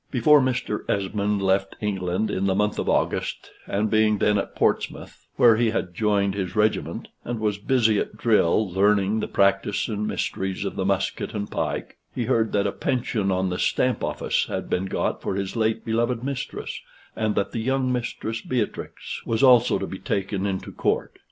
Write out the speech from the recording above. Before Mr. Esmond left England in the month of August, and being then at Portsmouth, where he had joined his regiment, and was busy at drill, learning the practice and mysteries of the musket and pike, he heard that a pension on the Stamp Office had been got for his late beloved mistress, and that the young Mistress Beatrix was also to be taken into court.